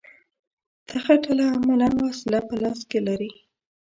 دغه ډله عملاً وسله په لاس کې لري